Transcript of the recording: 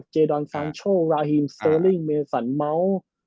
เจดอนซานโชว์ราฮิมเซอร์ลิงเมนสันเมาส์